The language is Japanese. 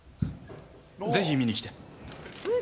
ぜひ見に来て。